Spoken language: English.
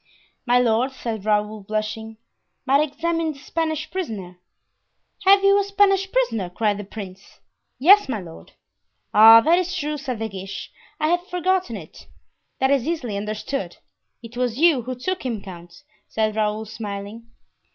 "My lord," said Raoul, blushing, "might examine the Spanish prisoner." "Have you a Spanish prisoner?" cried the prince. "Yes, my lord." "Ah, that is true," said De Guiche; "I had forgotten it." "That is easily understood; it was you who took him, count," said Raoul, smiling.